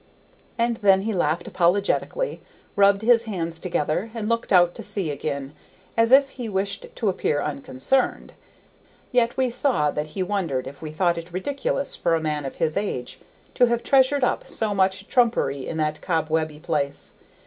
And then he laughed apologetically, rubbing his hands together, and looking out to sea again as if he wished to appear unconcerned; yet we saw that he wondered if we thought it ridiculous for a man of his age to have treasured up so much trumpery in that cobwebby place.